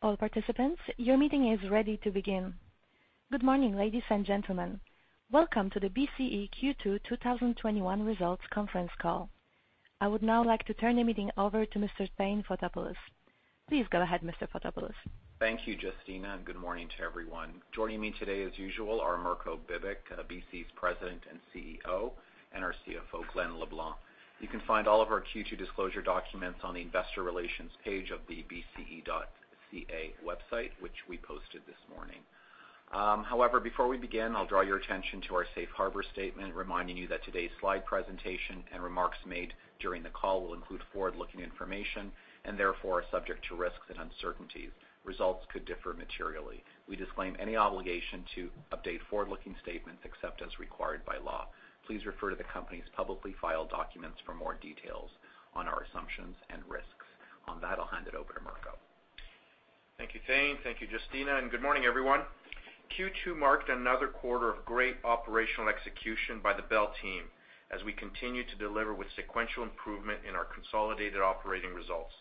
Good morning, ladies and gentlemen. Welcome to the BCE Q2 2021 Results Conference Call. I would now like to turn the meeting over to Mr. Thane Fotopoulos. Please go ahead, Mr. Fotopoulos. Thank you, Justina, and good morning to everyone. Joining me today, as usual, are Mirko Bibic, BCE's President and CEO, and our CFO, Glen LeBlanc. You can find all of our Q2 disclosure documents on the investor relations page of the bce.ca website, which we posted this morning. Before we begin, I'll draw your attention to our safe harbor statement, reminding you that today's slide presentation and remarks made during the call will include forward-looking information and therefore are subject to risks and uncertainties. Results could differ materially. We disclaim any obligation to update forward-looking statements except as required by law. Please refer to the company's publicly filed documents for more details on our assumptions and risks. On that, I'll hand it over to Mirko. Thank you, Thane. Thank you, Justina. Good morning, everyone. Q2 marked another quarter of great operational execution by the Bell team as we continue to deliver with sequential improvement in our consolidated operating results,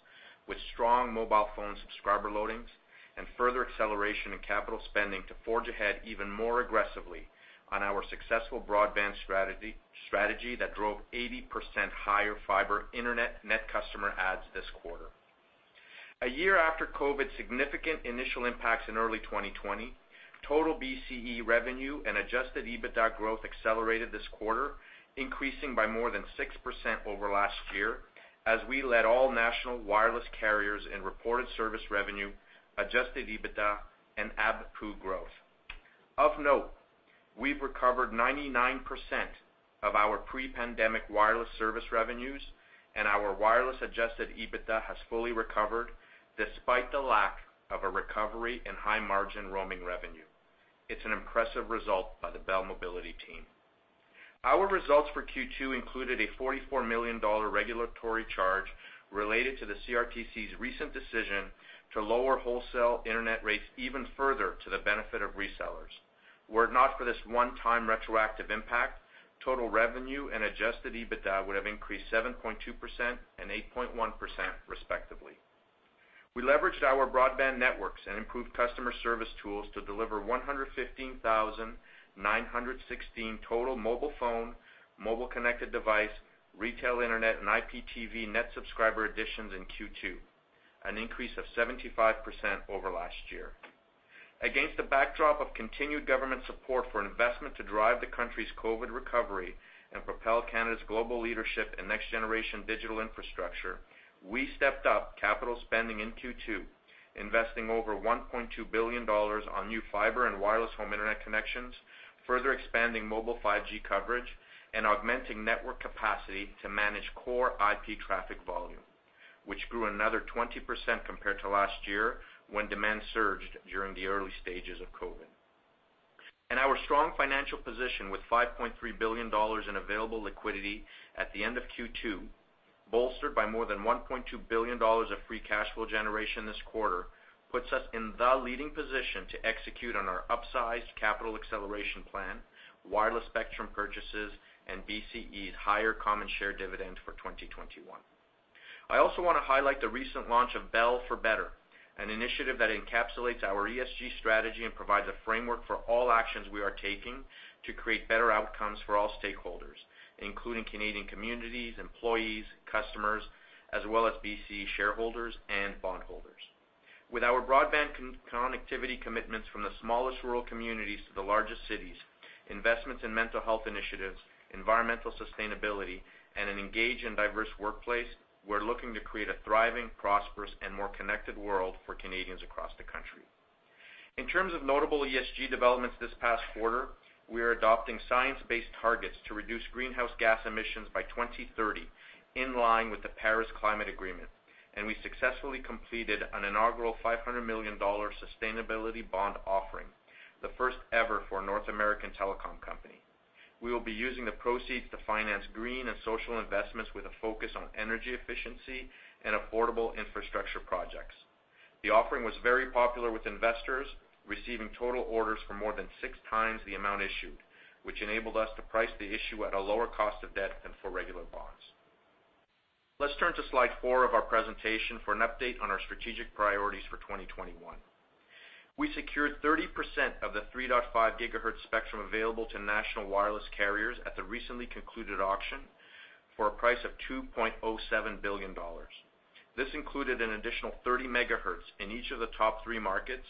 with strong mobile phone subscriber loadings and further acceleration in capital spending to forge ahead even more aggressively on our successful broadband strategy that drove 80% higher fiber internet net customer adds this quarter. A year after COVID's significant initial impacts in early 2020, total BCE revenue and adjusted EBITDA growth accelerated this quarter, increasing by more than 6% over last year, as we led all national wireless carriers in reported service revenue, adjusted EBITDA, and ABPU growth. Of note, we've recovered 99% of our pre-pandemic wireless service revenues, and our wireless adjusted EBITDA has fully recovered, despite the lack of a recovery in high-margin roaming revenue. It's an impressive result by the Bell Mobility team. Our results for Q2 included a 44 million dollar regulatory charge related to the CRTC's recent decision to lower wholesale internet rates even further to the benefit of resellers. Were it not for this 1x retroactive impact, total revenue and adjusted EBITDA would have increased 7.2% and 8.1% respectively. We leveraged our broadband networks and improved customer service tools to deliver 115,916 total mobile phone, mobile connected device, retail internet, and IPTV net subscriber additions in Q2, an increase of 75% over last year. Against the backdrop of continued government support for investment to drive the country's COVID recovery and propel Canada's global leadership in next-generation digital infrastructure, we stepped up capital spending in Q2, investing over 1.2 billion dollars on new fiber and wireless home internet connections, further expanding mobile 5G coverage, and augmenting network capacity to manage core IP traffic volume, which grew another 20% compared to last year when demand surged during the early stages of COVID. Our strong financial position with 5.3 billion dollars in available liquidity at the end of Q2, bolstered by more than 1.2 billion dollars of free cash flow generation this quarter, puts us in the leading position to execute on our upsized capital acceleration plan, wireless spectrum purchases, and BCE's higher common share dividend for 2021. I also want to highlight the recent launch of Bell for Better, an initiative that encapsulates our ESG strategy and provides a framework for all actions we are taking to create better outcomes for all stakeholders, including Canadian communities, employees, customers, as well as BCE shareholders and bondholders. With our broadband connectivity commitments from the smallest rural communities to the largest cities, investments in mental health initiatives, environmental sustainability, and an engaged and diverse workplace, we're looking to create a thriving, prosperous, and more connected world for Canadians across the country. In terms of notable ESG developments this past quarter, we are adopting science-based targets to reduce greenhouse gas emissions by 2030, in line with the Paris Climate Agreement, and we successfully completed an inaugural 500 million dollar sustainability bond offering, the first ever for a North American telecom company. We will be using the proceeds to finance green and social investments with a focus on energy efficiency and affordable infrastructure projects. The offering was very popular with investors, receiving total orders for more than 6 the amount issued, which enabled us to price the issue at a lower cost of debt than for regular bonds. Let's turn to slide four of our presentation for an update on our strategic priorities for 2021. We secured 30% of the 3.5 GHz spectrum available to national wireless carriers at the recently concluded auction for a price of 2.07 billion dollars. This included an additional 30 MHz in each of the top three markets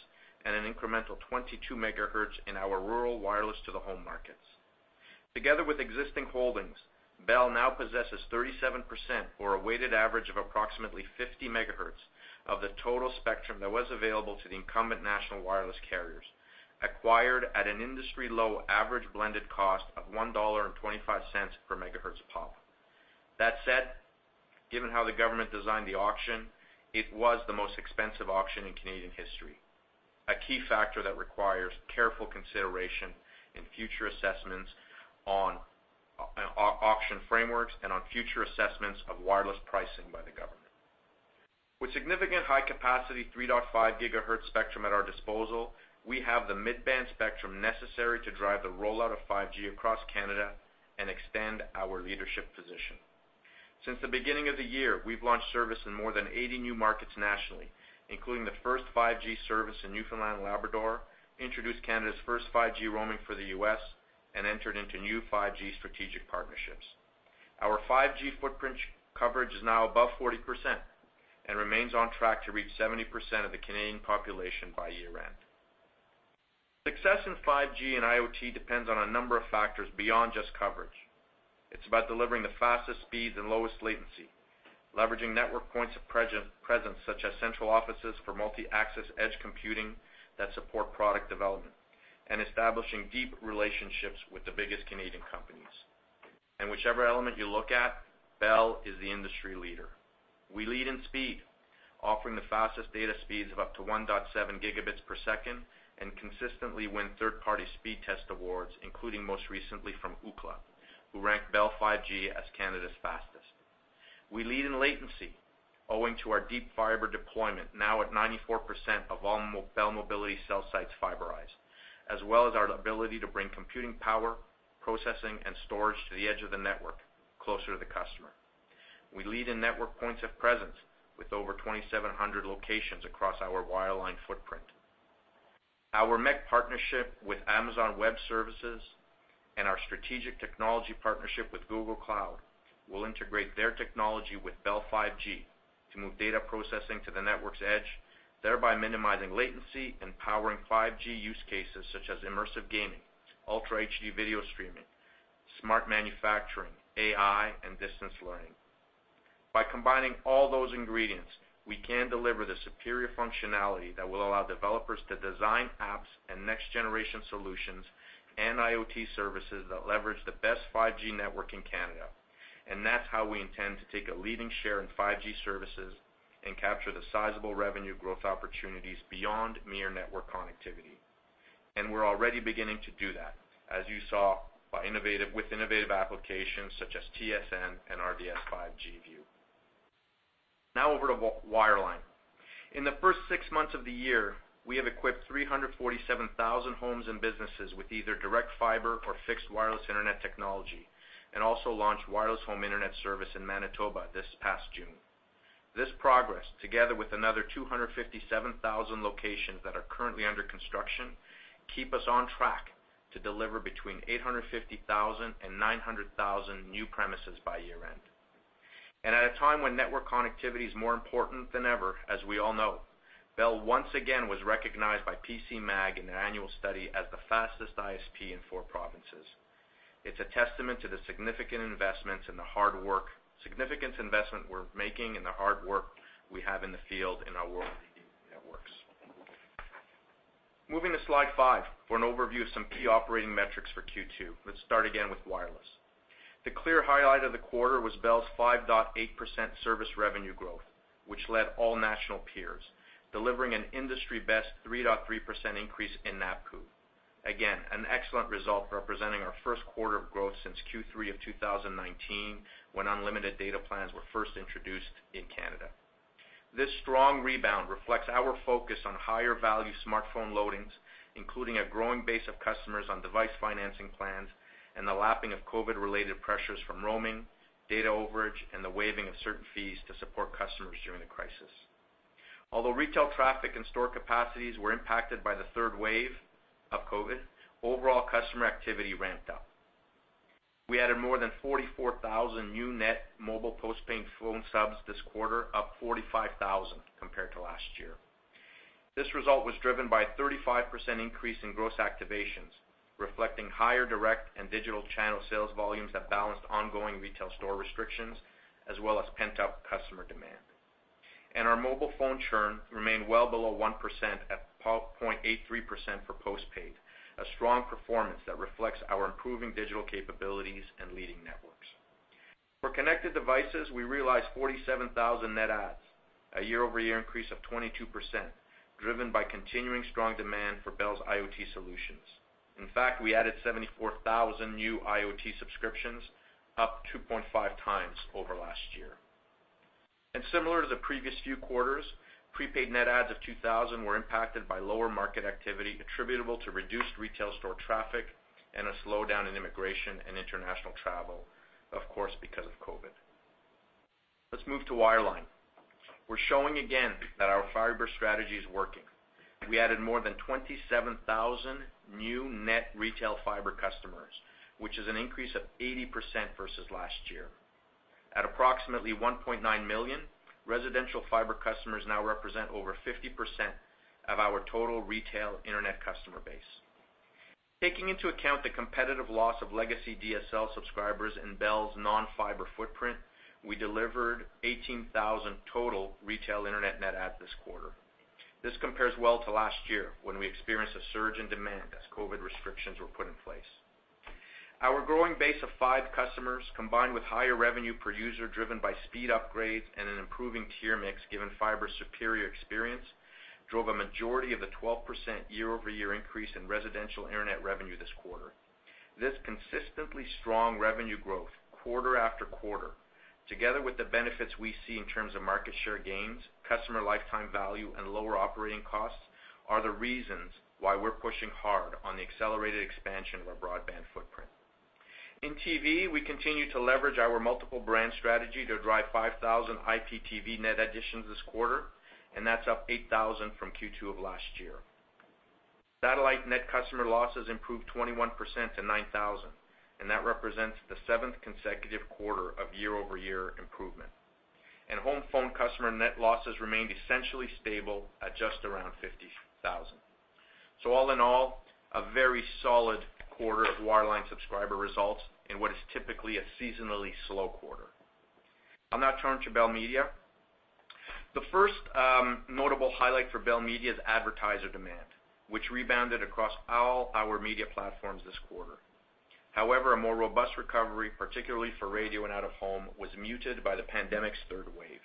and an incremental 22 MHz in our rural wireless to the home markets. Together with existing holdings, Bell now possesses 37%, or a weighted average of approximately 50 MHz, of the total spectrum that was available to the incumbent national wireless carriers, acquired at an industry-low average blended cost of 1.25 dollar per megahertz pop. That said, given how the government designed the auction, it was the most expensive auction in Canadian history, a key factor that requires careful consideration in future assessments on auction frameworks and on future assessments of wireless pricing by the government. With significant high-capacity 3.5 GHz spectrum at our disposal, we have the mid-band spectrum necessary to drive the rollout of 5G across Canada and extend our leadership position. Since the beginning of the year, we've launched service in more than 80 new markets nationally, including the first 5G service in Newfoundland and Labrador, introduced Canada's first 5G roaming for the U.S., and entered into new 5G strategic partnerships. Our 5G footprint coverage is now above 40% and remains on track to reach 70% of the Canadian population by year-end. Success in 5G and IoT depends on a number of factors beyond just coverage. It's about delivering the fastest speeds and lowest latency, leveraging network points of presence such as central offices for multi-access edge computing that support product development, and establishing deep relationships with the biggest Canadian companies. Whichever element you look at, Bell is the industry leader. We lead in speed, offering the fastest data speeds of up to 1.7 Gb per second, and consistently win third-party speed test awards, including most recently from Ookla, who ranked Bell 5G as Canada's fastest. We lead in latency, owing to our deep fiber deployment, now at 94% of all Bell Mobility cell sites fiberized, as well as our ability to bring computing power, processing, and storage to the edge of the network, closer to the customer. We lead in network points of presence with over 2,700 locations across our wireline footprint. Our MEC partnership with Amazon Web Services and our strategic technology partnership with Google Cloud will integrate their technology with Bell 5G to move data processing to the network's edge, thereby minimizing latency and powering 5G use cases such as immersive gaming, ultra HD video streaming, smart manufacturing, AI, and distance learning. By combining all those ingredients, we can deliver the superior functionality that will allow developers to design apps and next-generation solutions and IoT services that leverage the best 5G network in Canada. That's how we intend to take a leading share in 5G services and capture the sizable revenue growth opportunities beyond mere network connectivity. We're already beginning to do that, as you saw with innovative applications such as TSN and RDS 5G View. Now over to wireline. In the first six months of the year, we have equipped 347,000 homes and businesses with either direct fiber or fixed wireless internet technology, and also launched wireless home internet service in Manitoba this past June. This progress, together with another 257,000 locations that are currently under construction, keep us on track to deliver between 850,000 and 900,000 new premises by year-end. At a time when network connectivity is more important than ever, as we all know, Bell once again was recognized by PCMag in their annual study as the fastest ISP in four provinces. It's a testament to the significant investment we're making and the hard work we have in the field in our working networks. Moving to slide five for an overview of some key operating metrics for Q2. Let's start again with wireless. The clear highlight of the quarter was Bell's 5.8% service revenue growth, which led all national peers, delivering an industry-best 3.3% increase in ARPU. Again, an excellent result representing our first quarter of growth since Q3 of 2019, when unlimited data plans were first introduced in Canada. This strong rebound reflects our focus on higher-value smartphone loadings, including a growing base of customers on device financing plans and the lapping of COVID-related pressures from roaming, data overage, and the waiving of certain fees to support customers during the crisis. Although retail traffic and store capacities were impacted by the third wave of COVID, overall customer activity ramped up. We added more than 44,000 new net mobile postpaid phone subs this quarter, up 45,000 compared to last year. This result was driven by a 35% increase in gross activations, reflecting higher direct and digital channel sales volumes that balanced ongoing retail store restrictions, as well as pent-up customer demand. Our mobile phone churn remained well below 1% at 0.83% for postpaid, a strong performance that reflects our improving digital capabilities and leading networks. For connected devices, we realized 47,000 net adds, a year-over-year increase of 22%, driven by continuing strong demand for Bell's IoT solutions. In fact, we added 74,000 new IoT subscriptions, up 2.5x over last year. Similar to the previous few quarters, prepaid net adds of 2,000 were impacted by lower market activity attributable to reduced retail store traffic and a slowdown in immigration and international travel, of course, because of COVID. Let's move to wireline. We're showing again that our fiber strategy is working. We added more than 27,000 new net retail fiber customers, which is an increase of 80% versus last year. At approximately 1.9 million, residential fiber customers now represent over 50% of our total retail internet customer base. Taking into account the competitive loss of legacy DSL subscribers in Bell's non-fiber footprint, we delivered 18,000 total retail internet net adds this quarter. This compares well to last year, when we experienced a surge in demand as COVID restrictions were put in place. Our growing base of 5G customers, combined with higher revenue per user driven by speed upgrades and an improving tier mix given fiber's superior experience, drove a majority of the 12% year-over-year increase in residential internet revenue this quarter. This consistently strong revenue growth quarter after quarter, together with the benefits we see in terms of market share gains, customer lifetime value, and lower operating costs, are the reasons why we're pushing hard on the accelerated expansion of our broadband footprint. In TV, we continue to leverage our multiple brand strategy to drive 5,000 IPTV net additions this quarter, and that's up 8,000 from Q2 of last year. Satellite net customer losses improved 21% to 9,000, and that represents the seventh consecutive quarter of year-over-year improvement. Home phone customer net losses remained essentially stable at just around 50,000. All in all, a very solid quarter of wireline subscriber results in what is typically a seasonally slow quarter. I'll now turn to Bell Media. The first notable highlight for Bell Media is advertiser demand, which rebounded across all our media platforms this quarter. However, a more robust recovery, particularly for radio and out of home, was muted by the pandemic's third wave.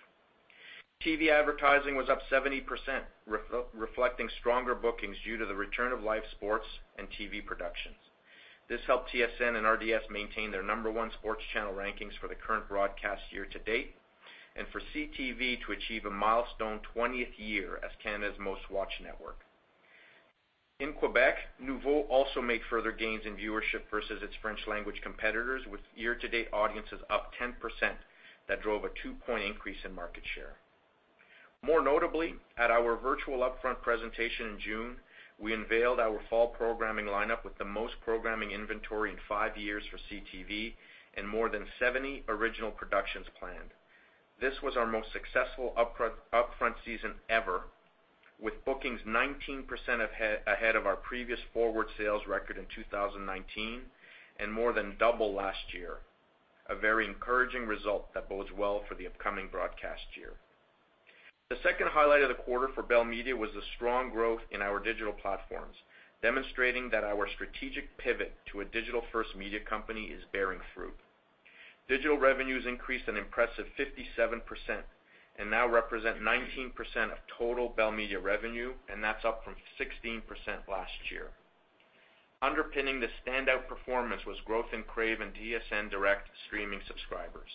TV advertising was up 70%, reflecting stronger bookings due to the return of live sports and TV productions. This helped TSN and RDS maintain their number one sports channel rankings for the current broadcast year to date, and for CTV to achieve a milestone 20th year as Canada's most watched network. In Quebec, Noovo also made further gains in viewership versus its French language competitors, with year-to-date audiences up 10% that drove a two-point increase in market share. More notably, at our virtual upfront presentation in June, we unveiled our fall programming lineup with the most programming inventory in five years for CTV and more than 70 original productions planned. This was our most successful upfront season ever, with bookings 19% ahead of our previous forward sales record in 2019 and more than double last year. A very encouraging result that bodes well for the upcoming broadcast year. The second highlight of the quarter for Bell Media was the strong growth in our digital platforms, demonstrating that our strategic pivot to a digital-first media company is bearing fruit. Digital revenues increased an impressive 57% and now represent 19% of total Bell Media revenue, and that's up from 16% last year. Underpinning the standout performance was growth in Crave and TSN Direct streaming subscribers.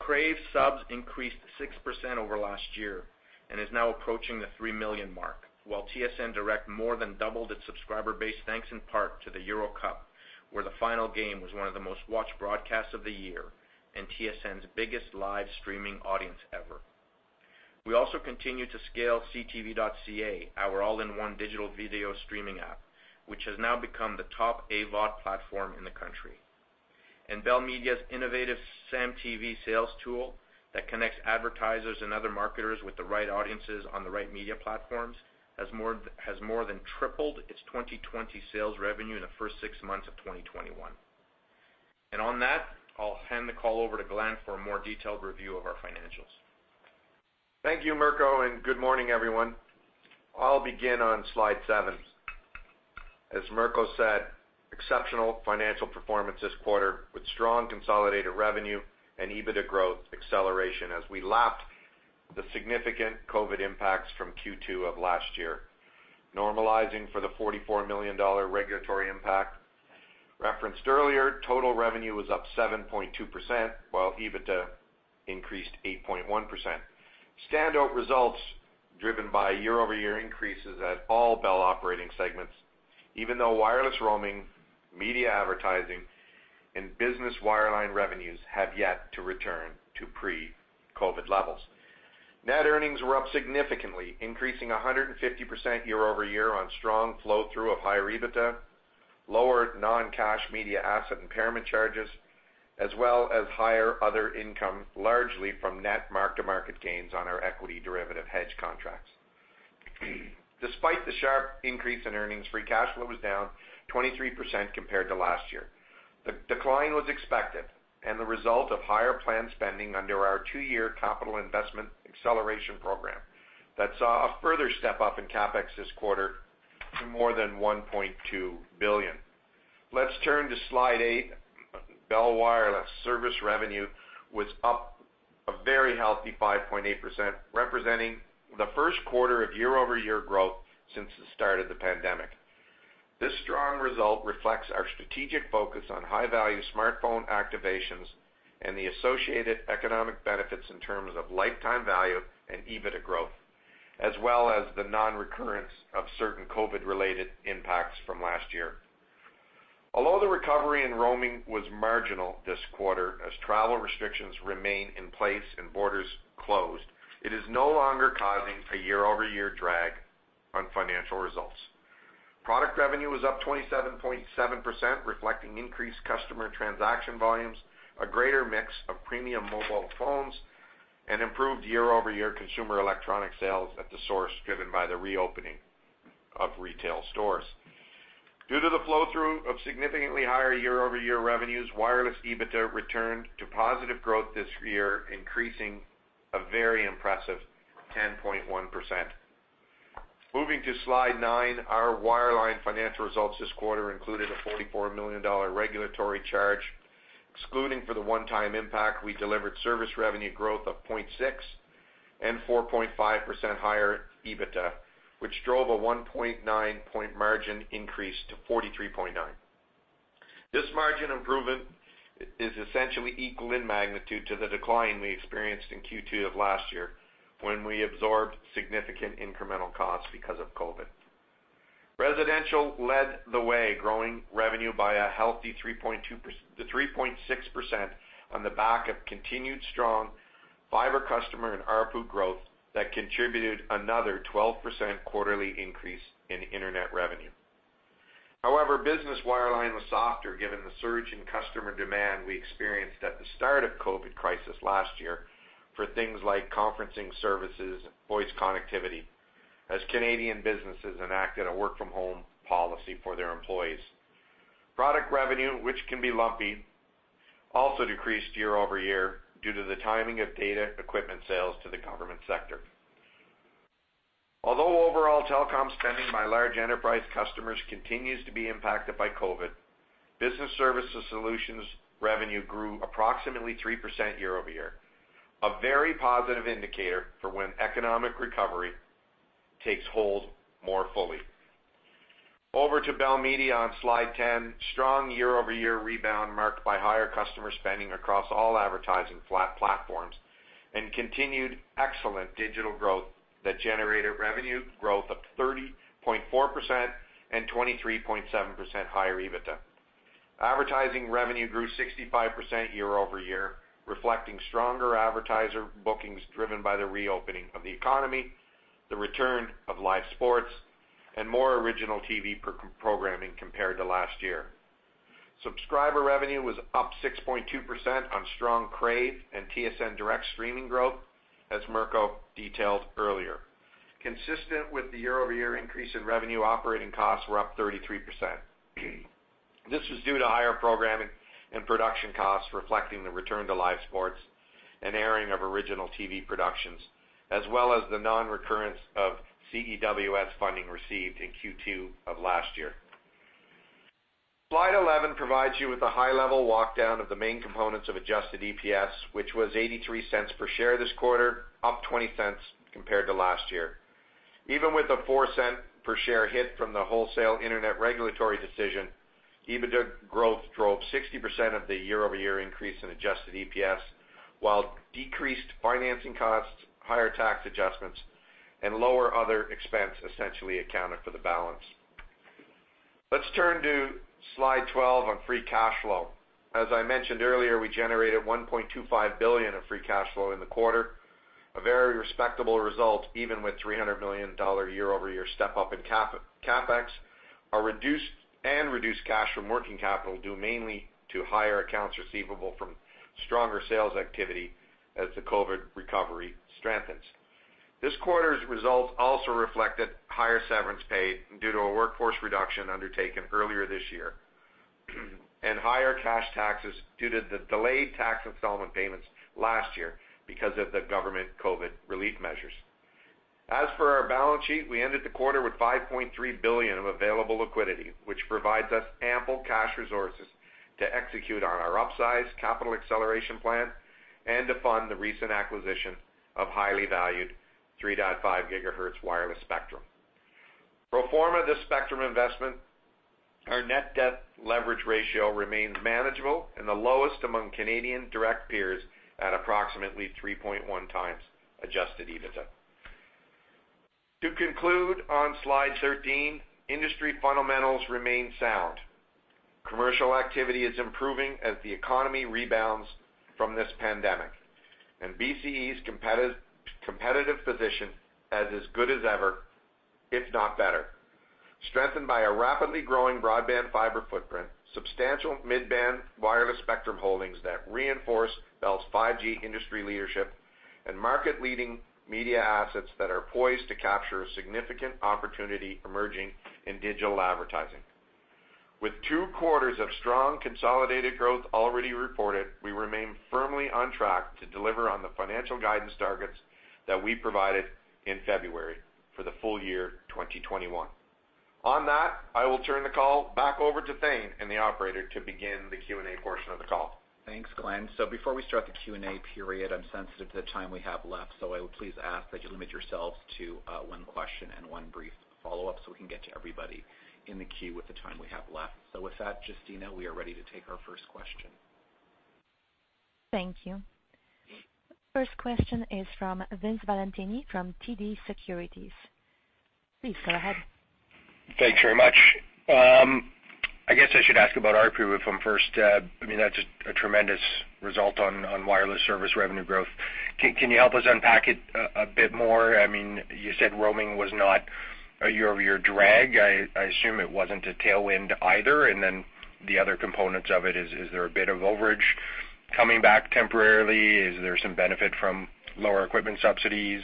Crave subs increased 6% over last year and is now approaching the three million mark, while TSN Direct more than doubled its subscriber base, thanks in part to the Euro Cup, where the final game was one of the most watched broadcasts of the year and TSN's biggest live streaming audience ever. We also continue to scale CTV.ca, our all-in-one digital video streaming app, which has now become the top AVOD platform in the country. Bell Media's innovative SAM TV sales tool that connects advertisers and other marketers with the right audiences on the right media platforms has more than tripled its 2020 sales revenue in the first six months of 2021. On that, I'll hand the call over to Glen for a more detailed review of our financials. Thank you, Mirko, and good morning, everyone. I'll begin on slide seven. As Mirko said, exceptional financial performance this quarter with strong consolidated revenue and EBITDA growth acceleration as we lapped the significant COVID impacts from Q2 of last year. Normalizing for the 44 million dollar regulatory impact referenced earlier, total revenue was up 7.2%, while EBITDA increased 8.1%. Standout results driven by year-over-year increases at all Bell operating segments, even though wireless roaming, media advertising, and business wireline revenues have yet to return to pre-COVID levels. Net earnings were up significantly, increasing 150% year-over-year on strong flow-through of higher EBITDA, lower non-cash media asset impairment charges, as well as higher other income, largely from net mark-to-market gains on our equity derivative hedge contracts. Despite the sharp increase in earnings, free cash flow was down 23% compared to last year. The decline was expected and the result of higher planned spending under our two-year capital investment acceleration program that saw a further step up in CapEx this quarter to more than 1.2 billion. Let's turn to slide eight. Bell Wireless service revenue was up a very healthy 5.8%, representing the first quarter of year-over-year growth since the start of the pandemic. This strong result reflects our strategic focus on high-value smartphone activations and the associated economic benefits in terms of lifetime value and EBITDA growth, as well as the non-recurrence of certain COVID-related impacts from last year. Although the recovery in roaming was marginal this quarter, as travel restrictions remain in place and borders closed, it is no longer causing a year-over-year drag on financial results. Product revenue was up 27.7%, reflecting increased customer transaction volumes, a greater mix of premium mobile phones, and improved year-over-year consumer electronic sales at The Source driven by the reopening of retail stores. Due to the flow-through of significantly higher year-over-year revenues, wireless EBITDA returned to positive growth this year, increasing a very impressive 10.1%. Moving to slide nine, our wireline financial results this quarter included a 44 million dollar regulatory charge. Excluding for the 1x impact, we delivered service revenue growth of 0.6% and 4.5% higher EBITDA, which drove a 1.9-point margin increase to 43.9%. This margin improvement is essentially equal in magnitude to the decline we experienced in Q2 of last year, when we absorbed significant incremental costs because of COVID. Residential led the way, growing revenue by a healthy 3.6% on the back of continued strong fiber customer and ARPU growth that contributed another 12% quarterly increase in internet revenue. Business wireline was softer given the surge in customer demand we experienced at the start of COVID crisis last year for things like conferencing services, voice connectivity, as Canadian businesses enacted a work from home policy for their employees. Product revenue, which can be lumpy, also decreased year-over-year due to the timing of data equipment sales to the government sector. Overall telecom spending by large enterprise customers continues to be impacted by COVID, business services solutions revenue grew approximately 3% year-over-year. A very positive indicator for when economic recovery takes hold more fully. Over to Bell Media on slide 10. Strong year-over-year rebound marked by higher customer spending across all advertising platforms and continued excellent digital growth that generated revenue growth of 30.4% and 23.7% higher EBITDA. Advertising revenue grew 65% year-over-year, reflecting stronger advertiser bookings driven by the reopening of the economy, the return of live sports, and more original TV programming compared to last year. Subscriber revenue was up 6.2% on strong Crave and TSN Direct streaming growth, as Mirko detailed earlier. Consistent with the year-over-year increase in revenue, operating costs were up 33%. This was due to higher programming and production costs reflecting the return to live sports and airing of original TV productions, as well as the non-recurrence of CEWS funding received in Q2 of last year. Slide 11 provides you with a high-level walk down of the main components of adjusted EPS, which was 0.83 per share this quarter, up 0.20 compared to last year. Even with a 0.04 per share hit from the wholesale internet regulatory decision, EBITDA growth drove 60% of the year-over-year increase in adjusted EPS, while decreased financing costs, higher tax adjustments, and lower other expense essentially accounted for the balance. Let's turn to slide 12 on free cash flow. As I mentioned earlier, we generated 1.25 billion of free cash flow in the quarter, a very respectable result even with 300 million dollar year-over-year step-up in CapEx, and reduced cash from working capital due mainly to higher accounts receivable from stronger sales activity as the COVID recovery strengthens. This quarter's results also reflected higher severance paid due to a workforce reduction undertaken earlier this year, and higher cash taxes due to the delayed tax installment payments last year because of the government COVID relief measures. As for our balance sheet, we ended the quarter with 5.3 billion of available liquidity, which provides us ample cash resources to execute on our upsize capital acceleration plan and to fund the recent acquisition of highly valued 3.5 GHz wireless spectrum. Pro forma, this spectrum investment, our net debt leverage ratio remains manageable and the lowest among Canadian direct peers at approximately 3.1x adjusted EBITDA. To conclude on slide 13, industry fundamentals remain sound. Commercial activity is improving as the economy rebounds from this pandemic, and BCE's competitive position is as good as ever, if not better, strengthened by a rapidly growing broadband fiber footprint, substantial mid-band wireless spectrum holdings that reinforce Bell's 5G industry leadership, and market-leading media assets that are poised to capture a significant opportunity emerging in digital advertising. With two quarters of strong consolidated growth already reported, we remain firmly on track to deliver on the financial guidance targets that we provided in February for the full year 2021. On that, I will turn the call back over to Thane and the operator to begin the Q&A portion of the call. Thanks, Glen. Before we start the Q&A period, I'm sensitive to the time we have left, so I would please ask that you limit yourselves to one question and one brief follow-up so we can get to everybody in the queue with the time we have left. With that, Justina, we are ready to take our first question. Thank you. First question is from Vince Valentini from TD Securities. Please go ahead. Thanks very much. I guess I should ask about ARPU from first. That's a tremendous result on wireless service revenue growth. Can you help us unpack it a bit more? You said roaming was not a year-over-year drag. I assume it wasn't a tailwind either, and then the other components of it, is there a bit of overage coming back temporarily? Is there some benefit from lower equipment subsidies?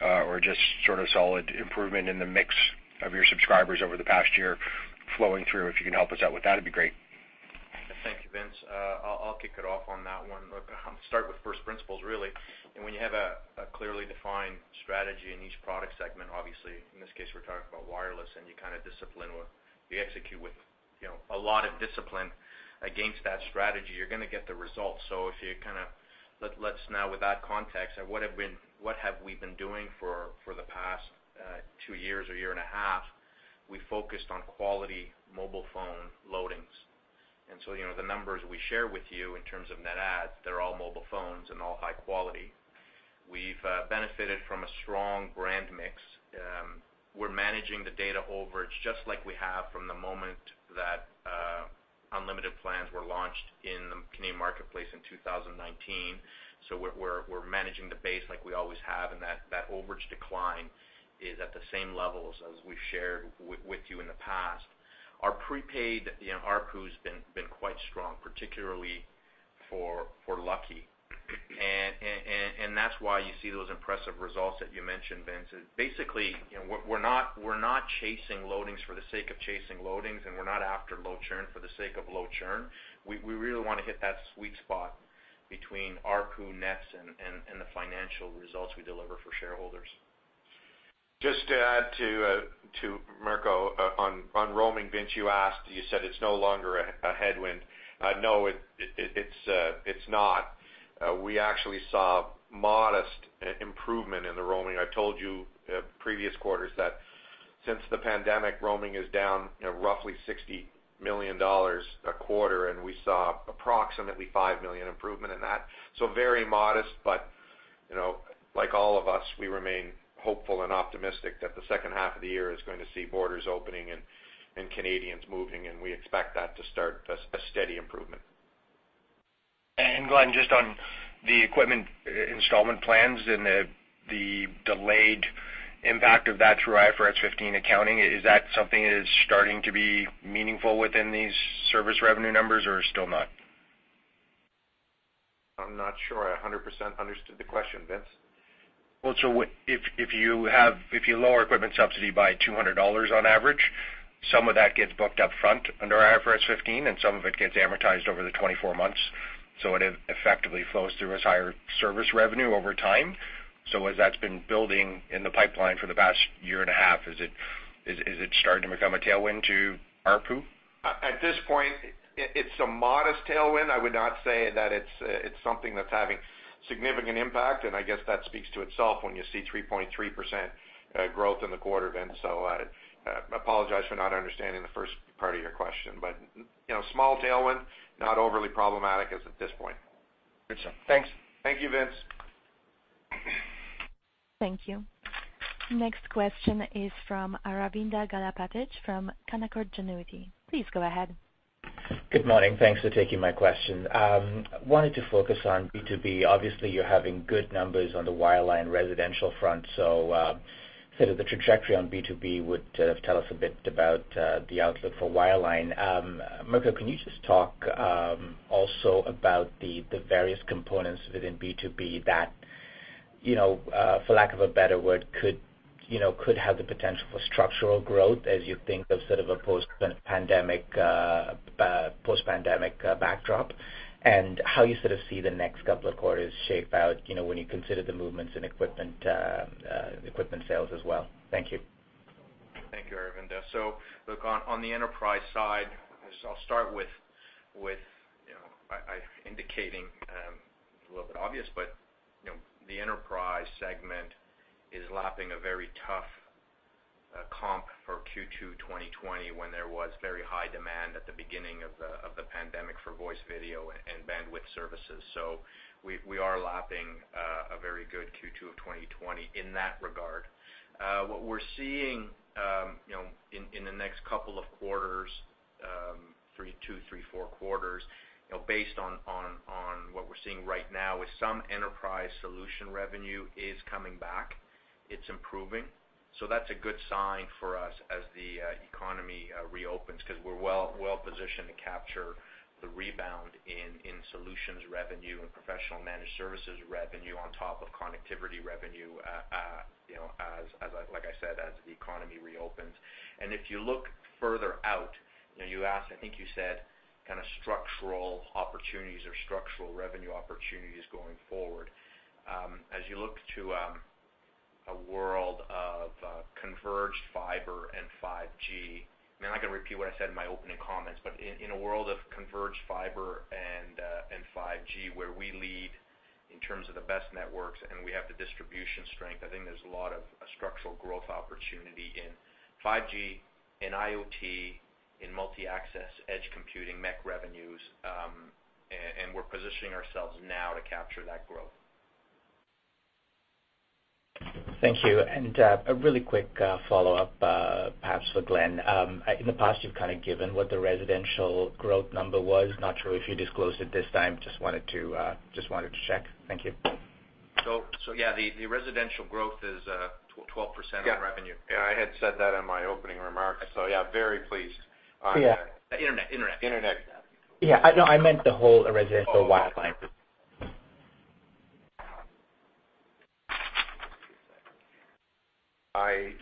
Or just sort of solid improvement in the mix of your subscribers over the past year flowing through? If you can help us out with that, it'd be great. Thank you, Vince. I'll kick it off. That one. Start with first principles, really. When you have a clearly defined strategy in each product segment, obviously in this case we're talking about wireless, and you execute with a lot of discipline against that strategy, you're going to get the results. If you let's now with that context what have we been doing for the past two years or year and a half, we focused on quality mobile phone loadings. The numbers we share with you in terms of net adds, they're all mobile phones and all high quality. We've benefited from a strong brand mix. We're managing the data overage just like we have from the moment that unlimited plans were launched in the Canadian marketplace in 2019. We're managing the base like we always have, and that overage decline is at the same levels as we've shared with you in the past. Our prepaid ARPU's been quite strong, particularly for Lucky. That's why you see those impressive results that you mentioned, Vince. Basically, we're not chasing loadings for the sake of chasing loadings, and we're not after low churn for the sake of low churn. We really want to hit that sweet spot between ARPU nets and the financial results we deliver for shareholders. Just to add to Mirko on roaming, Vince, you asked, you said it's no longer a headwind. No, it's not. We actually saw modest improvement in the roaming. I told you previous quarters that since the pandemic, roaming is down roughly 60 million dollars a quarter, and we saw approximately 5 million improvement in that. Very modest, but, like all of us, we remain hopeful and optimistic that the second half of the year is going to see borders opening and Canadians moving, and we expect that to start a steady improvement. Glen, just on the equipment installment plans and the delayed impact of that through IFRS 15 accounting, is that something that is starting to be meaningful within these service revenue numbers or still not? I'm not sure I 100% understood the question, Vince. If you lower equipment subsidy by 200 dollars on average, some of that gets booked up front under IFRS 15, and some of it gets amortized over the 24 months, so it effectively flows through as higher service revenue over time. As that's been building in the pipeline for the past year and a half, is it starting to become a tailwind to ARPU? At this point, it's a modest tailwind. I would not say that it's something that's having significant impact, and I guess that speaks to itself when you see 3.3% growth in the quarter, Vince. I apologize for not understanding the first part of your question. Small tailwind, not overly problematic as at this point. Good Sir. Thanks. Thank you, Vince. Thank you. Next question is from Aravinda Galappatthige from Canaccord Genuity. Please go ahead. Good morning. Thanks for taking my question. Wanted to focus on B2B. Obviously, you're having good numbers on the wireline residential front. Sort of the trajectory on B2B would sort of tell us a bit about the outlook for wireline. Mirko, can you just talk also about the various components within B2B that, for lack of a better word, could have the potential for structural growth as you think of sort of a post-pandemic backdrop, and how you sort of see the next couple of quarters shape out when you consider the movements in equipment sales as well. Thank you. Thank you, Aravinda. Look on the enterprise side, I'll start with indicating, a little bit obvious, but the enterprise segment is lapping a very tough comp for Q2 2020 when there was very high demand at the beginning of the pandemic for voice video and bandwidth services. We are lapping a very good Q2 of 2020 in that regard. What we're seeing in the next couple of quarters, two, three, four quarters, based on what we're seeing right now is some enterprise solution revenue is coming back. It's improving. That's a good sign for us as the economy reopens because we're well positioned to capture the rebound in solutions revenue and professional managed services revenue on top of connectivity revenue, like I said, as the economy reopens. If you look further out, you asked, I think you said structural opportunities or structural revenue opportunities going forward. As you look to a world of converged fiber and 5G, I'm not going to repeat what I said in my opening comments, but in a world of converged fiber and 5G where we lead in terms of the best networks and we have the distribution strength, I think there's a lot of structural growth opportunity in 5G, in IoT, in multi-access edge computing, MEC revenues. We're positioning ourselves now to capture that growth. Thank you. A really quick follow-up perhaps for Glen. In the past, you've kind of given what the residential growth number was. Not sure if you disclosed it this time, just wanted to check. Thank you. Yeah, the residential growth is 12% on revenue. Yeah. I had said that in my opening remarks, so yeah, very pleased on the. Internet. Internet. Yeah. No, I meant the whole residential wireline. I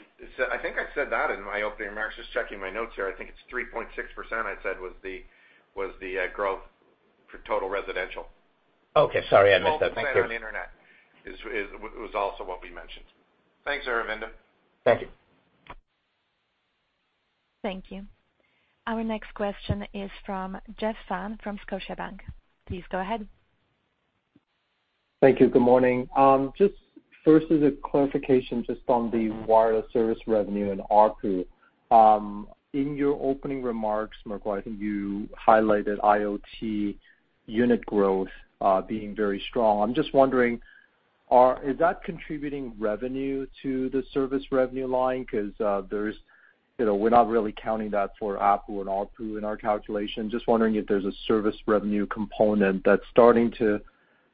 think I said that in my opening remarks. Just checking my notes here. I think it's 3.6% I said was the growth for total residential. Okay. Sorry, I missed that. Thank you. Mobile, internet was also what we mentioned. Thanks, Aravinda Galappatthige. Thank you. Thank you. Our next question is from Jeff Fan from Scotiabank. Please go ahead. Thank you. Good morning. Just first as a clarification just on the wireless service revenue and ARPU. In your opening remarks, Mirko, I think you highlighted IoT unit growth being very strong. I'm just wondering, is that contributing revenue to the service revenue line? Because we're not really counting that for ABPU and ARPU in our calculation. Just wondering if there's a service revenue component that's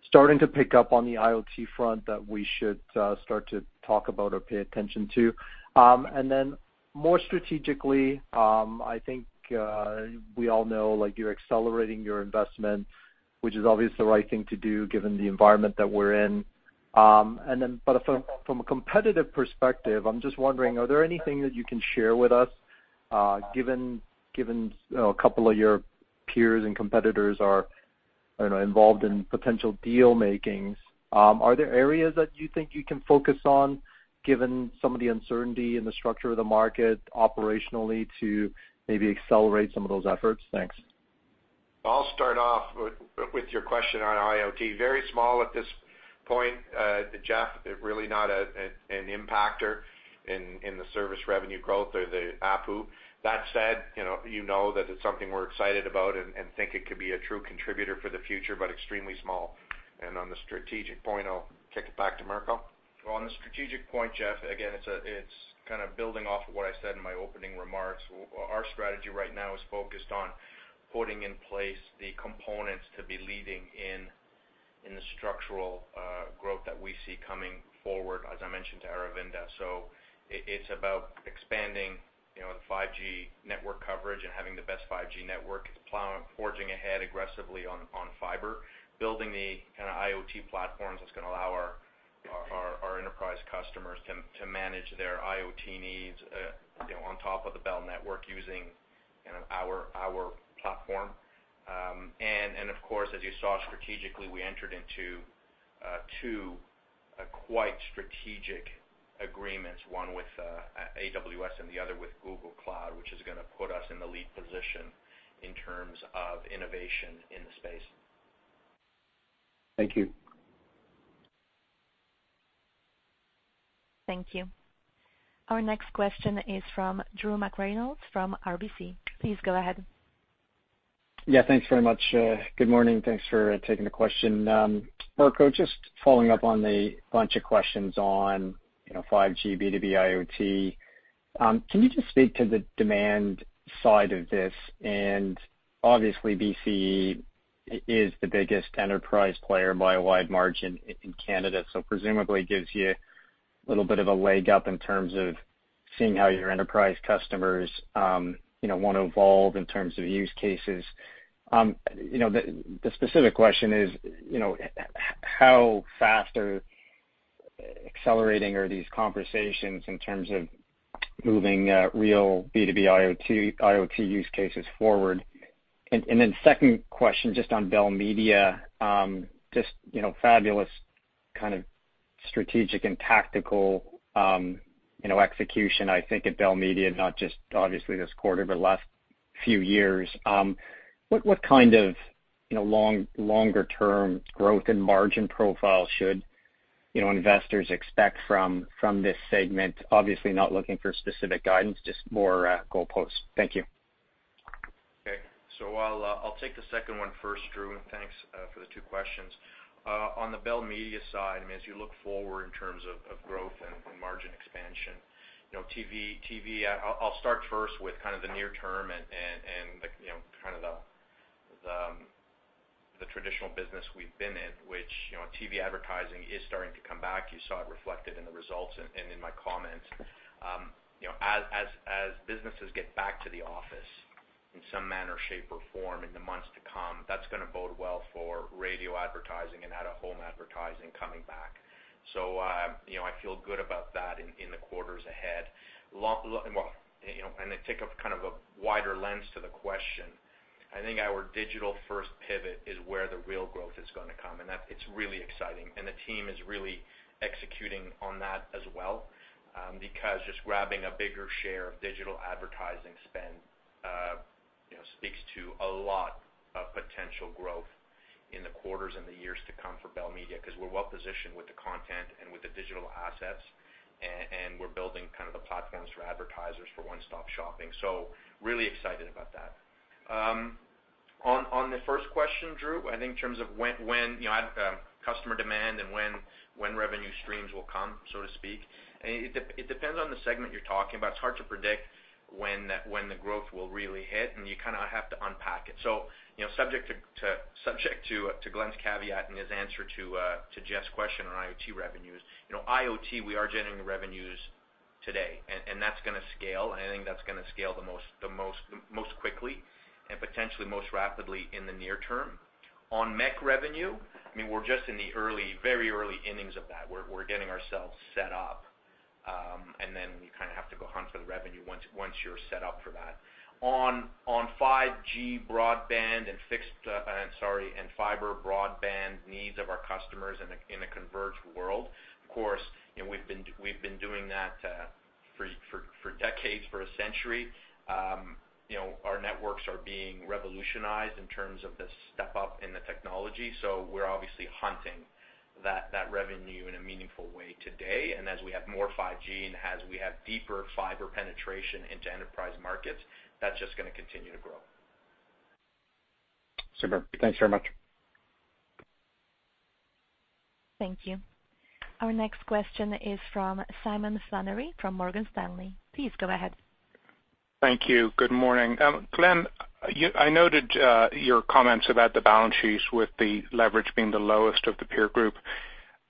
starting to pick up on the IoT front that we should start to talk about or pay attention to. Then more strategically, I think, we all know you're accelerating your investment, which is obviously the right thing to do given the environment that we're in. From a competitive perspective, I'm just wondering, are there anything that you can share with us, given a couple of your peers and competitors are, I don't know, involved in potential deal makings. Are there areas that you think you can focus on given some of the uncertainty in the structure of the market operationally to maybe accelerate some of those efforts? Thanks. I'll start off with your question on IoT. Very small at this point, Jeff, really not an impactor in the service revenue growth or the ARPU. That said, you know that it's something we're excited about and think it could be a true contributor for the future, but extremely small. On the strategic point, I'll kick it back to Mirko. On the strategic point, Jeff, again, it's kind of building off of what I said in my opening remarks. Our strategy right now is focused on putting in place the components to be leading in the structural growth that we see coming forward, as I mentioned to Aravinda. It's about expanding the 5G network coverage and having the best 5G network, forging ahead aggressively on fiber, building the kind of IoT platforms that's going to allow our enterprise customers to manage their IoT needs on top of the Bell network using our platform. Of course, as you saw strategically, we entered into two quite strategic agreements, one with AWS and the other with Google Cloud, which is gonna put us in the lead position in terms of innovation in the space. Thank you. Thank you. Our next question is from Drew McReynolds from RBC. Please go ahead. Yeah, thanks very much. Good morning. Thanks for taking the question. Mirko, just following up on a bunch of questions on 5G B2B IoT. Can you just speak to the demand side of this? Obviously BCE is the biggest enterprise player by a wide margin in Canada, so presumably gives you a little bit of a leg up in terms of seeing how your enterprise customers want to evolve in terms of use cases. The specific question is, how fast or accelerating are these conversations in terms of moving real B2B IoT use cases forward? Then second question, just on Bell Media, just fabulous kind of strategic and tactical execution, I think at Bell Media, not just obviously this quarter, but the last few years. What kind of longer term growth and margin profile should investors expect from this segment? Obviously not looking for specific guidance, just more goalposts. Thank you. I'll take the second one first, Drew, and thanks for the two questions. On the Bell Media side, as you look forward in terms of growth and margin expansion, I'll start first with kind of the near term and the kind of the traditional business we've been in, which TV advertising is starting to come back. You saw it reflected in the results and in my comments. As businesses get back to the office in some manner, shape, or form in the months to come, that's gonna bode well for radio advertising and out-of-home advertising coming back. I feel good about that in the quarters ahead. To take kind of a wider lens to the question, I think our digital-first pivot is where the real growth is gonna come, and it's really exciting. And the team is really executing on that as well. Just grabbing a bigger share of digital advertising spend speaks to a lot of potential growth in the quarters and the years to come for Bell Media, because we're well positioned with the content and with the digital assets, and we're building kind of the platforms for advertisers for one-stop shopping. Really excited about that. On the first question, Drew, I think in terms of customer demand and when revenue streams will come, so to speak. It depends on the segment you're talking about. It's hard to predict when the growth will really hit, and you kind of have to unpack it. Subject to Glen's caveat and his answer to Jeff's question on IoT revenues. IoT, we are generating revenues today. That's going to scale, and I think that's going to scale the most quickly and potentially most rapidly in the near term. On MEC revenue, we're just in the very early innings of that. We're getting ourselves set up, and then we kind of have to go hunt for the revenue once you're set up for that. On 5G broadband and fiber broadband needs of our customers in a converged world, of course, we've been doing that for decades, for a century. Our networks are being revolutionized in terms of the step up in the technology, we're obviously hunting that revenue in a meaningful way today. As we have more 5G and as we have deeper fiber penetration into enterprise markets, that's just going to continue to grow. Super. Thanks very much. Thank you. Our next question is from Simon Flannery, from Morgan Stanley. Please go ahead. Thank you. Good morning. Glen, I noted your comments about the balance sheets with the leverage being the lowest of the peer group.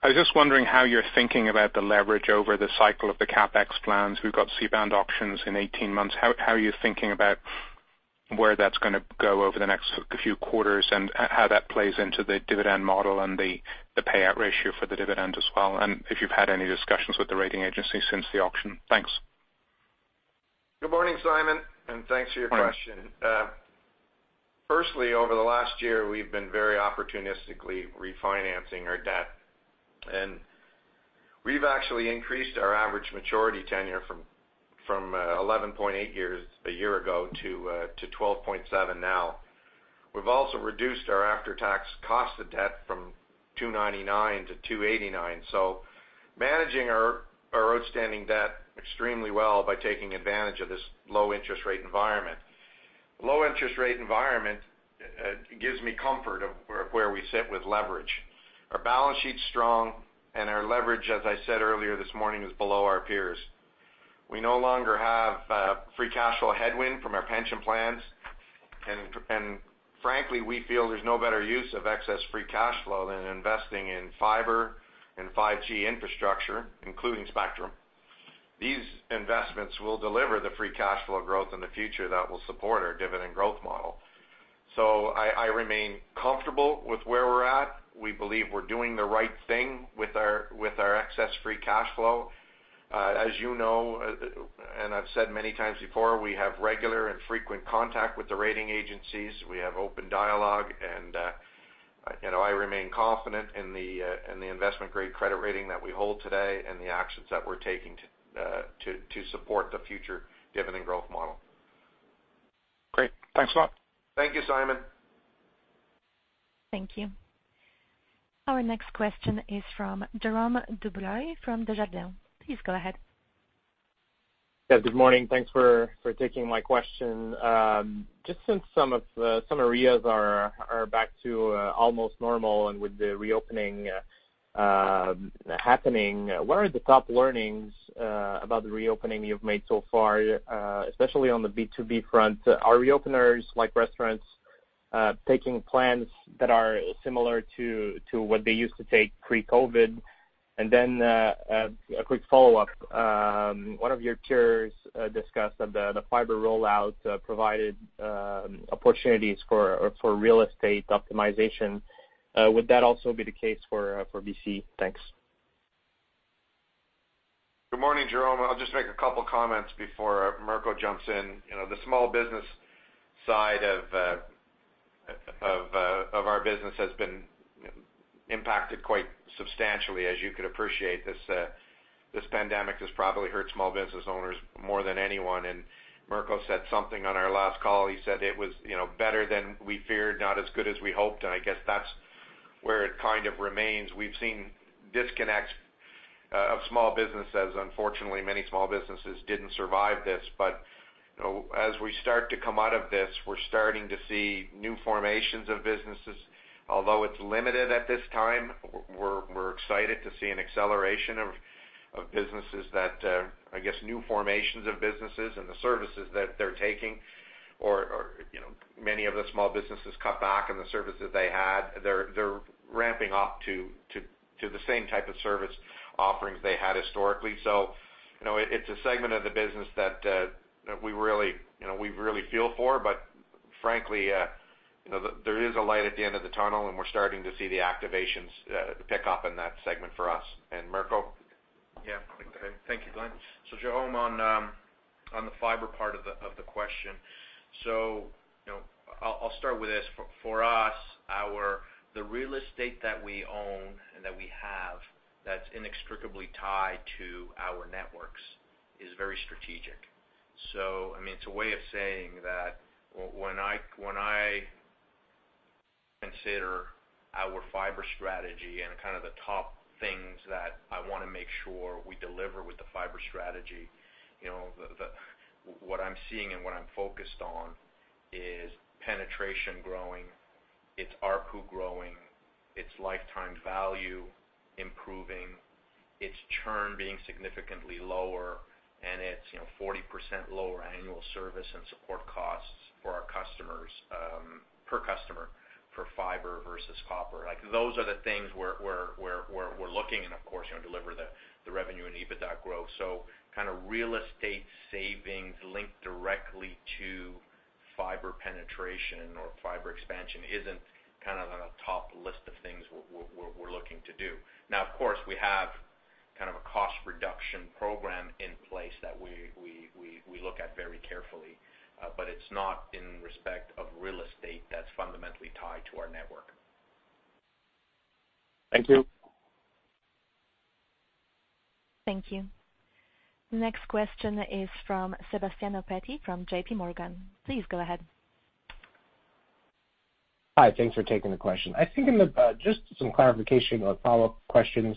I was just wondering how you're thinking about the leverage over the cycle of the CapEx plans. We've got C-band auctions in 18 months. How are you thinking about where that's going to go over the next few quarters, and how that plays into the dividend model and the payout ratio for the dividend as well? If you've had any discussions with the rating agency since the auction. Thanks. Good morning, Simon, and thanks for your question. Morning. Firstly, over the last year, we've been very opportunistically refinancing our debt. We've actually increased our average maturity tenure from 11.8 years a year ago to 12.7 now. We've also reduced our after-tax cost of debt from 299 to 289. Managing our outstanding debt extremely well by taking advantage of this low interest rate environment. Low interest rate environment gives me comfort of where we sit with leverage. Our balance sheet's strong, and our leverage, as I said earlier this morning, is below our peers. We no longer have free cash flow headwind from our pension plans. Frankly, we feel there's no better use of excess free cash flow than investing in fiber and 5G infrastructure, including spectrum. These investments will deliver the free cash flow growth in the future that will support our dividend growth model. I remain comfortable with where we're at. We believe we're doing the right thing with our excess free cash flow. As you know, and I've said many times before, we have regular and frequent contact with the rating agencies. We have open dialogue and I remain confident in the investment-grade credit rating that we hold today and the actions that we're taking to support the future dividend growth model. Great. Thanks a lot. Thank you, Simon. Thank you. Our next question is from Jerome Dubreuil from Desjardins. Please go ahead. Yeah, good morning. Thanks for taking my question. Just since some areas are back to almost normal and with the reopening happening, what are the top learnings about the reopening you've made so far, especially on the B2B front? Are reopeners like restaurants taking plans that are similar to what they used to take pre-COVID? A quick follow-up. One of your peers discussed that the fiber rollout provided opportunities for real estate optimization. Would that also be the case for BCE? Thanks. Good morning, Jerome. I'll just make a couple comments before Mirko jumps in. The small business side of our business has been impacted quite substantially, as you could appreciate. This pandemic has probably hurt small business owners more than anyone, and Mirko said something on our last call. He said it was better than we feared, not as good as we hoped, and I guess that's where it kind of remains. We've seen disconnects of small businesses. Unfortunately, many small businesses didn't survive this. As we start to come out of this, we're starting to see new formations of businesses. Although it's limited at this time, we're excited to see an acceleration of businesses I guess new formations of businesses and the services that they're taking, or many of the small businesses cut back on the services they had. They're ramping up to the same type of service offerings they had historically. It's a segment of the business that we really feel for, but frankly, there is a light at the end of the tunnel, and we're starting to see the activations pick up in that segment for us. Mirko? Yeah. Okay. Thank you, Glen. Jerome, on the fiber part of the question. I'll start with this. For us, the real estate that we own and that we have that's inextricably tied to our networks is very strategic. It's a way of saying that when I consider our fiber strategy and kind of the top things that I want to make sure we deliver with the fiber strategy, what I'm seeing and what I'm focused on is penetration growing, it's ARPU growing, it's lifetime value improving, it's churn being significantly lower, and it's 40% lower annual service and support costs for our customers, per customer for fiber versus copper. Those are the things we're looking and, of course, deliver the revenue and EBITDA growth. Real estate savings linked directly. Fiber penetration or fiber expansion isn't on a top list of things we're looking to do. Of course, we have a cost reduction program in place that we look at very carefully, but it's not in respect of real estate that's fundamentally tied to our network. Thank you. Thank you. Next question is from Sebastiano Petti from J.P. Morgan. Please go ahead. Hi. Thanks for taking the question. Just some clarification or follow-up questions.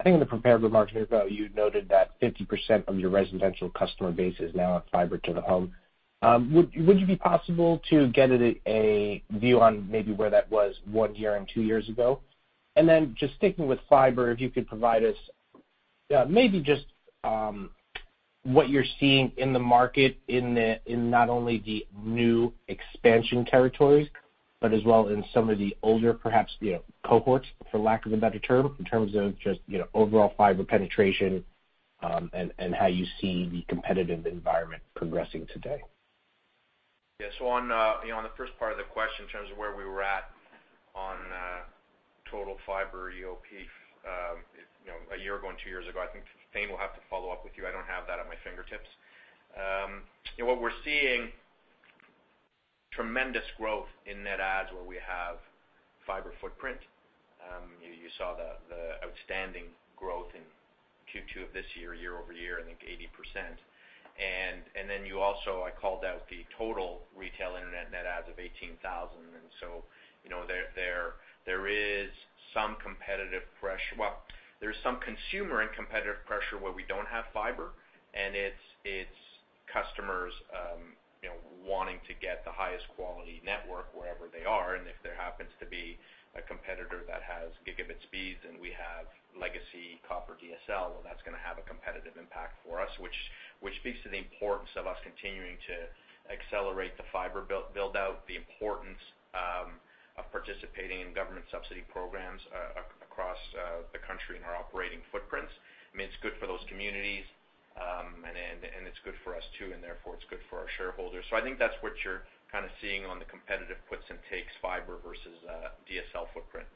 I think in the prepared remarks, you noted that 50% of your residential customer base is now on fiber to the home. Would you be possible to get a view on maybe where that was one year and two years ago? Just sticking with fiber, if you could provide us maybe just what you're seeing in the market in not only the new expansion territories, but as well in some of the older, perhaps, cohorts, for lack of a better term, in terms of just overall fiber penetration, and how you see the competitive environment progressing today. Yeah. On the first part of the question in terms of where we were at on total fiber EOP a year ago and two years ago, I think Thane will have to follow up with you. I don't have that at my fingertips. What we're seeing, tremendous growth in net adds where we have fiber footprint. You saw the outstanding growth in Q2 of this year-over-year, I think 80%. Then you also, I called out the total retail internet net adds of 18,000. There is some consumer and competitive pressure where we don't have fiber, and it's customers wanting to get the highest quality network wherever they are. If there happens to be a competitor that has gigabit speeds and we have legacy copper DSL, well, that's going to have a competitive impact for us, which speaks to the importance of us continuing to accelerate the fiber build out, the importance of participating in government subsidy programs across the country in our operating footprints. It's good for those communities, and it's good for us too, and therefore, it's good for our shareholders. I think that's what you're seeing on the competitive puts and takes fiber versus DSL footprint.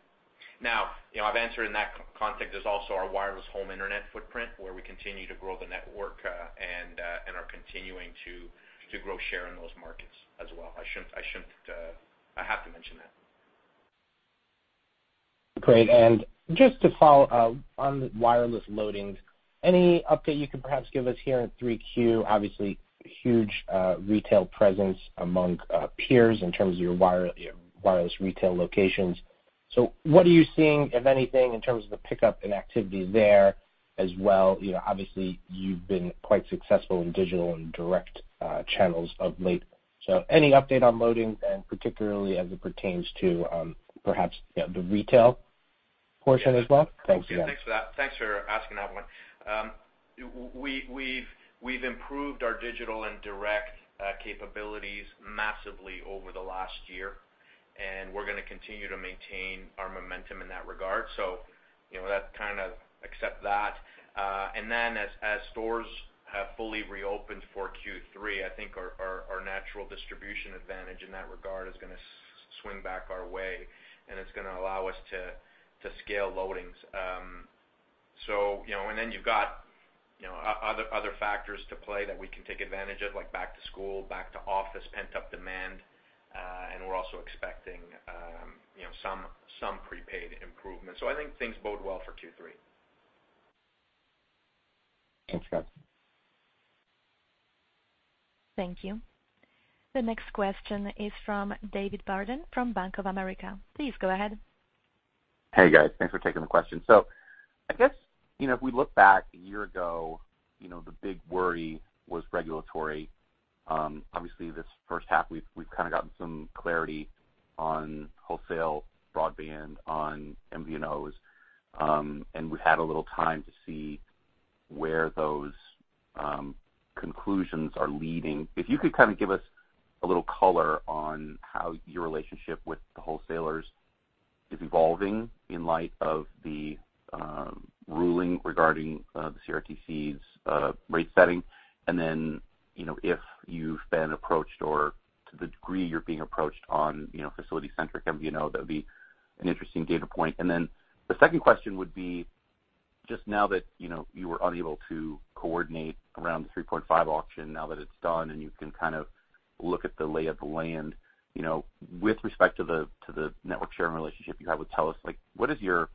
Now, I've answered in that context. There's also our wireless home internet footprint where we continue to grow the network and are continuing to grow share in those markets as well. I have to mention that. Great. Just to follow up on wireless loadings, any update you could perhaps give us here in 3Q? Obviously, huge retail presence among peers in terms of your wireless retail locations. What are you seeing, if anything, in terms of the pickup in activity there as well? Obviously, you've been quite successful in digital and direct channels of late. Any update on loadings, and particularly as it pertains to perhaps the retail portion as well? Thanks again. Yeah. Thanks for asking that one. We've improved our digital and direct capabilities massively over the last year, and we're going to continue to maintain our momentum in that regard. Accept that. As stores have fully reopened for Q3, I think our natural distribution advantage in that regard is going to swing back our way, and it's going to allow us to scale loadings. You've got other factors to play that we can take advantage of, like back to school, back to office, pent-up demand, and we're also expecting some prepaid improvements. I think things bode well for Q3. Thanks, guys. Thank you. The next question is from David Barden from Bank of America. Please go ahead. Hey, guys. Thanks for taking the question. I guess, if we look back a year ago, the big worry was regulatory. Obviously, this first half, we've gotten some clarity on wholesale broadband, on MVNOs, and we've had a little time to see where those conclusions are leading. If you could give us a little color on how your relationship with the wholesalers is evolving in light of the ruling regarding the CRTC's rate setting, and then, if you've been approached or to the degree you're being approached on facility-centric MVNO. That would be an interesting data point. The second question would be just now that you were unable to coordinate around the 3.5 auction, now that it is done and you can look at the lay of the land, with respect to the network sharing relationship you have with TELUS, what is your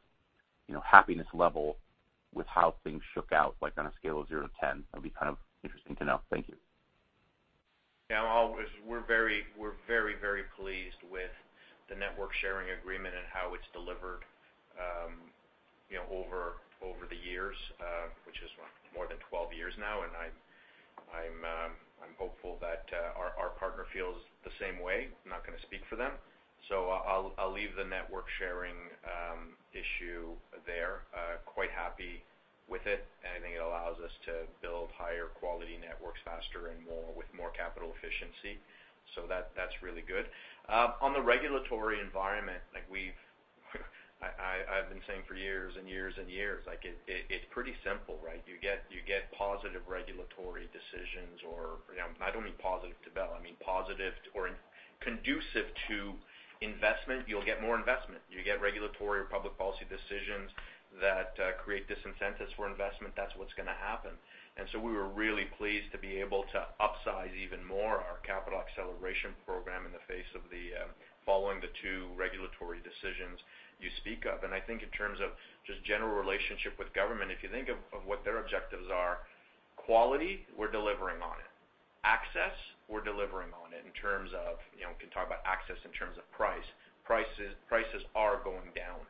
happiness level with how things shook out? Like on a scale of 0-10. That'd be interesting to know. Thank you. Yeah. We're very, very pleased with the network sharing agreement and how it's delivered over the years, which is what? More than 12 years now, and I'm hopeful that our partner feels the same way. I'm not going to speak for them. I'll leave the network sharing issue there. Quite happy with it. I think it allows us to build higher quality networks faster and with more capital efficiency. That's really good. On the regulatory environment, like we've- I've been saying for years and years and years, it's pretty simple, right? You get positive regulatory decisions. I don't mean positive to Bell, I mean positive or conducive to investment, you'll get more investment. You get regulatory or public policy decisions that create disincentives for investment, that's what's going to happen. We were really pleased to be able to upsize even more our capital acceleration program in the face of following the two regulatory decisions you speak of. I think in terms of just general relationship with government, if you think of what their objectives are, quality, we're delivering on it. Access, we're delivering on it in terms of, we can talk about access in terms of price. Prices are going down.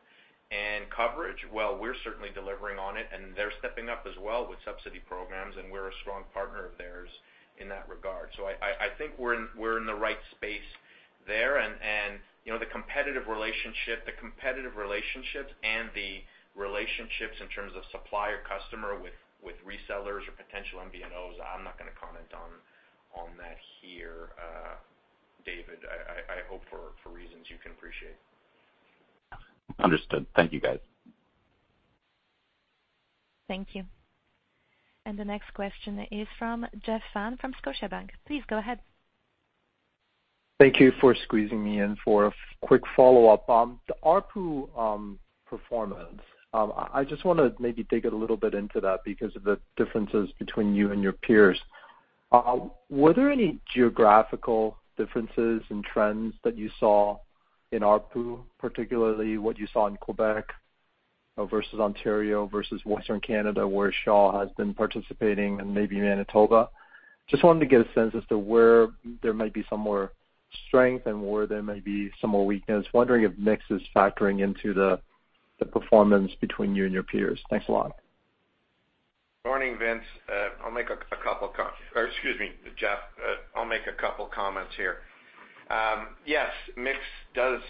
Coverage, well, we're certainly delivering on it, and they're stepping up as well with subsidy programs, and we're a strong partner of theirs in that regard. I think we're in the right space there and the competitive relationships and the relationships in terms of supplier-customer with resellers or potential MVNOs, I'm not going to comment on that here, David, I hope for reasons you can appreciate. Understood. Thank you, guys. Thank you. The next question is from Jeff Fan from Scotiabank. Please go ahead. Thank you for squeezing me in for a quick follow-up. The ARPU performance, I just want to maybe dig a little bit into that because of the differences between you and your peers. Were there any geographical differences in trends that you saw in ARPU, particularly what you saw in Quebec versus Ontario versus Western Canada, where Shaw has been participating, and maybe Manitoba? Just wanted to get a sense as to where there might be some more strength and where there may be some more weakness. Wondering if mix is factoring into the performance between you and your peers. Thanks a lot. Morning, Vince. I'll make a couple comments or excuse me, Jeff. Yes, mix does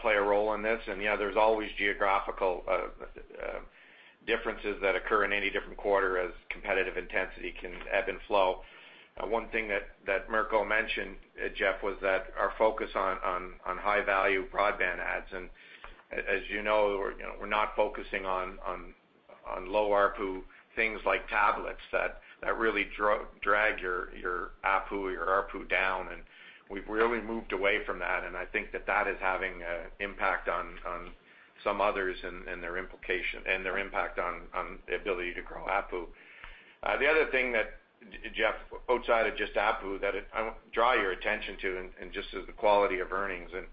play a role in this, yeah, there's always geographical differences that occur in any different quarter as competitive intensity can ebb and flow. One thing that Mirko mentioned, Jeff, was that our focus on high-value broadband adds. As you know, we're not focusing on low ARPU, things like tablets that really drag your ABPU, your ARPU down, and we've really moved away from that. I think that that is having an impact on some others and their impact on the ability to grow ABPU. The other thing that, Jeff, outside of just ABPU, that I would draw your attention to and just as the quality of earnings, and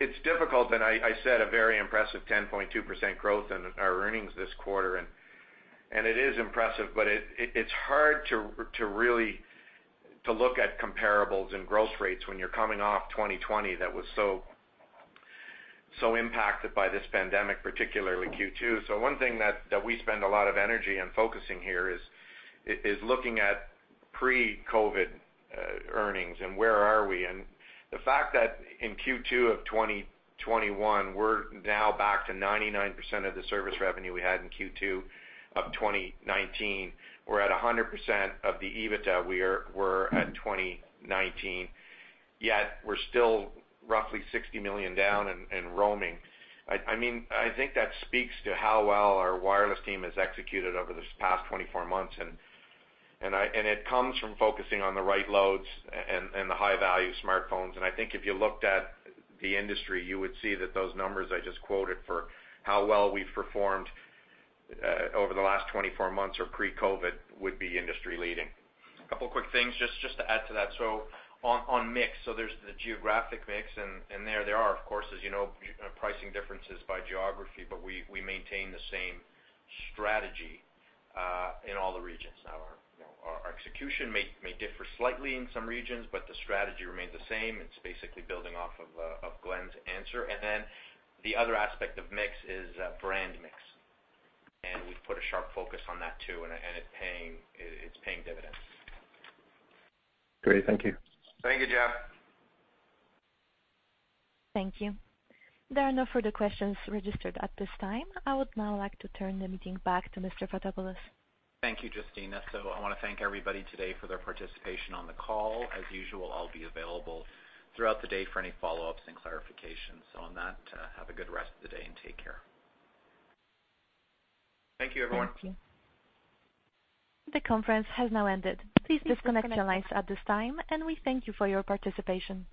it's difficult, and I said a very impressive 10.2% growth in our earnings this quarter, and it is impressive, but it's hard to really to look at comparables and growth rates when you're coming off 2020 that was so impacted by this pandemic, particularly Q2. One thing that we spend a lot of energy on focusing here is looking at pre-COVID earnings and where are we. The fact that in Q2 of 2021, we're now back to 99% of the service revenue we had in Q2 of 2019. We're at 100% of the EBITDA we were at 2019, yet we're still roughly 60 million down in roaming. I think that speaks to how well our wireless team has executed over this past 24 months, and it comes from focusing on the right loads and the high-value smartphones. I think if you looked at the industry, you would see that those numbers I just quoted for how well we've performed over the last 24 months, or pre-COVID would be industry leading. A couple of quick things just to add to that. On mix, there's the geographic mix, there are, of course, as you know, pricing differences by geography, but we maintain the same strategy in all the regions. Now, our execution may differ slightly in some regions, but the strategy remains the same. It's basically building off of Glen's answer. The other aspect of mix is brand mix. We've put a sharp focus on that, too, and it's paying dividends. Great. Thank you. Thank you, Jeff. Thank you. There are no further questions registered at this time. I would now like to turn the meeting back to Mr. Fotopoulos. Thank you, Justina. I want to thank everybody today for their participation on the call. As usual, I'll be available throughout the day for any follow-ups and clarifications. On that, have a good rest of the day and take care. Thank you, everyone. Thank you. The conference has now ended. Please disconnect your lines at this time, and we thank you for your participation.